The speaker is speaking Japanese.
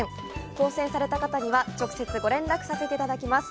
当せんされた方には直接ご連絡させていただきます。